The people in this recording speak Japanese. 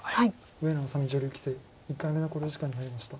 上野愛咲美女流棋聖１回目の考慮時間に入りました。